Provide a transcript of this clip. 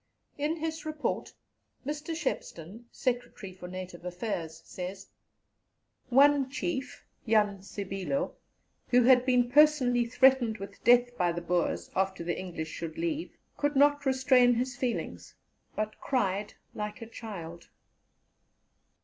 " In his Report, Mr. Shepstone (Secretary for Native Affairs) says, "One chief, Jan Sibilo, who had been personally threatened with death by the Boers after the English should leave, could not restrain his feelings, but cried like a child."